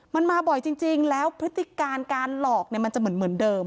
มันมาบ่อยจริงแล้วพฤติการการหลอกเนี่ยมันจะเหมือนเดิม